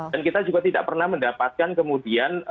dan kita juga tidak pernah mendapatkan kemudian